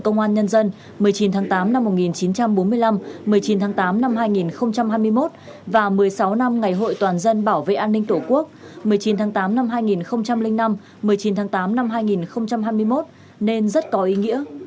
từ năm một nghìn chín trăm bốn mươi năm một mươi chín tháng tám năm hai nghìn hai mươi một và một mươi sáu năm ngày hội toàn dân bảo vệ an ninh tổ quốc một mươi chín tháng tám năm hai nghìn năm một mươi chín tháng tám năm hai nghìn hai mươi một nên rất có ý nghĩa